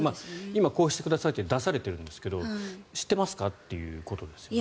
今、こうしてくださいって出されていますけど知ってますかということですね。